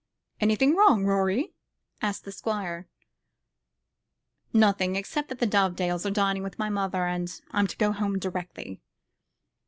"Anything wrong, Rorie?" asked the Squire. "Nothing; except that the Dovedales are dining with my mother; and I'm to go home directly."